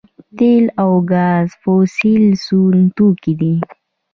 تیل او ګاز فوسیل سون توکي دي